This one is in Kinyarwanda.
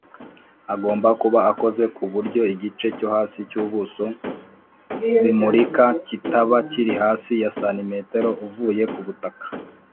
agomba kuba akoze kuburyo igice cyohasi cy’ubuso bimurika kitaba kiri hasi ya cm uvuye kubutaka